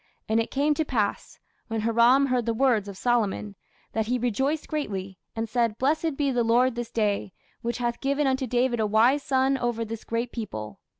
And it came to pass, when Hiram heard the words of Solomon, that he rejoiced greatly, and said, Blessed be the Lord this day, which hath given unto David a wise son over this great people.